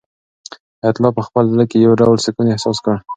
حیات الله په خپل زړه کې یو ډول سکون احساس کړ.